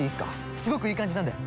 すごくいい感じなんで！